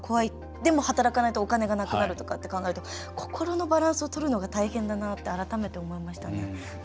でも、働かないとお金がなくなるとかって考えると心のバランスをとるのが大変だなって改めて思いましたね。